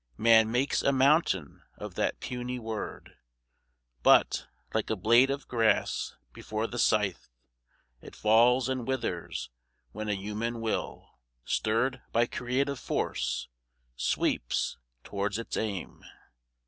Man makes a mountain of that puny word, But, like a blade of grass before the scythe, It falls and withers when a human will, Stirred by creative force, sweeps toward its aim.